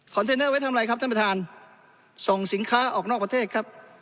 เทนเนอร์ไว้ทำอะไรครับท่านประธานส่งสินค้าออกนอกประเทศครับ